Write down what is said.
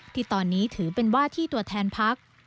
ที่ตอนนี้ถือเป็นว่าที่ตัวแทนพัก